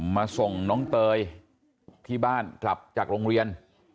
มาส่งน้องเตยที่บ้านกลับจากโรงเรียน